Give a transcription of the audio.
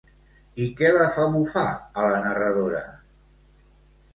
I què la fa bufar a la narradora?